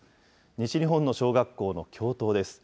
西日本の小学校の教頭です。